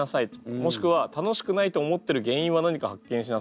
もしくは楽しくないと思ってる原因は何か発見しなさい。